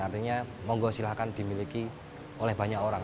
artinya mohon gosilakan dimiliki oleh banyak orang